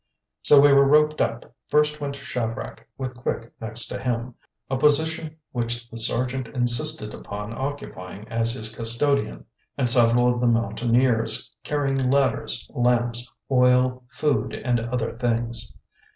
So we were roped up. First went Shadrach, with Quick next to him, a position which the Sergeant insisted upon occupying as his custodian, and several of the Mountaineers, carrying ladders, lamps, oil, food and other things.